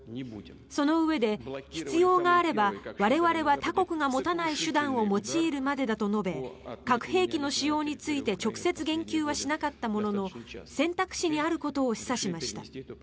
そのうえで必要があれば我々は他国が持たない手段を用いるまでだと述べ核兵器の使用について直接言及はしなかったものの選択肢にあることを示唆しました。